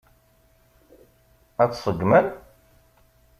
Ad tt-seggmen?